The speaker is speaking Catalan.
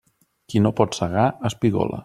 Qui no pot segar, espigola.